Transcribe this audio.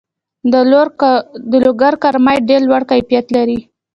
د لوګر کرومایټ ډیر لوړ کیفیت لري.